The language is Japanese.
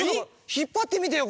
ひっぱってみてよ